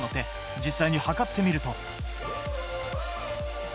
実際に測ってみると。